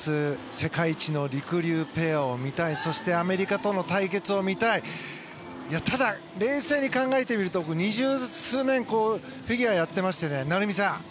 世界一のりくりゅうペアを見たいそしてアメリカとの対決を見たいただ、冷静に考えると二十数年フィギュアやってました成美さん。